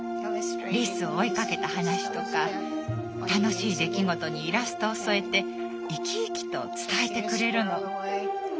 リスを追いかけた話とか楽しい出来事にイラストを添えて生き生きと伝えてくれるの。